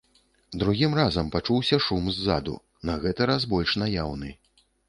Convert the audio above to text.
Другім разам пачуўся шум ззаду, на гэты раз больш наяўны.